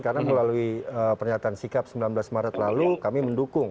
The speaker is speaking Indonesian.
karena melalui pernyataan sikap sembilan belas maret lalu kami mendukung